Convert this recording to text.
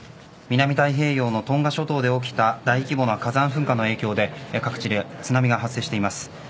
南太平洋のトンガ諸島で起きた大規模な火山噴火の影響で各地で津波が発生しています。